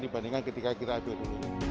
dibandingkan ketika kira kira dulu